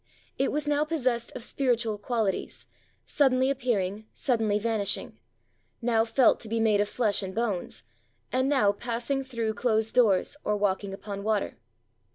It was now possessed of spiritual qualities, suddenly appearing, suddenly vanishing; now felt to be made of flesh and bones, and now passing through closed doors, or walking upon water.